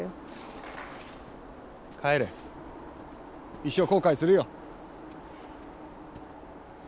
一生後悔するよ。